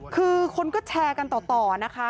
คือคนก็แชร์กันต่อนะคะ